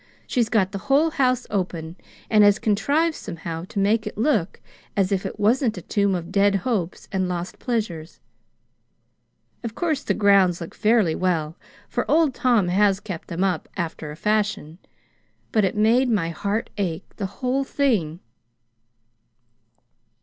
She'd got the whole house open, and had contrived somehow to make it look as if it wasn't a tomb of dead hopes and lost pleasures. Of course the grounds looked fairly well, for Old Tom has kept them up, after a fashion. But it made my heart ache the whole thing."